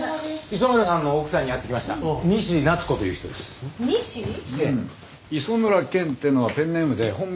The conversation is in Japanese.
磯村健っていうのはペンネームで本名は西一郎。